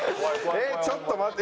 えっちょっと待って。